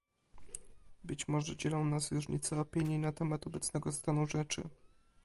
Być może dzielą nas różnice opinii na temat obecnego stanu rzeczy